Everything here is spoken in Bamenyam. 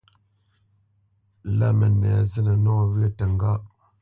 Lâ mənɛ zínə nɔwyə̂ təŋgá.